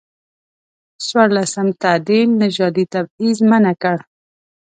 څورلسم تعدیل نژادي تبعیض منع کړ.